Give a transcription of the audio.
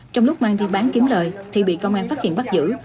trong lúc mang đi bán kiếm lời thì bị công an phát hiện bắt giữ